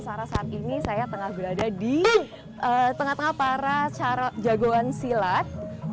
sarah saat ini saya tengah berada di tengah tengah para jagoan silat